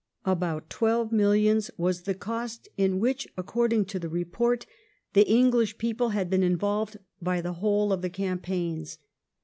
About twelve millions was the cost in which, according to the report, the English people had been involved by the whole of the campaigns.